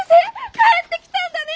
帰ってきたんだね！